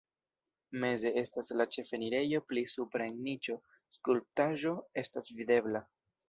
Meze estas la ĉefenirejo, pli supre en niĉo skulptaĵo estas videbla.